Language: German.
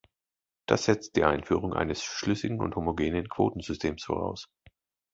Das setzt die Einführung eines schlüssigen und homogenen Quotensystems voraus.